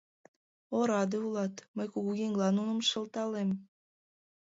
— Ораде улыда, — мый кугу еҥла нуным шылталем.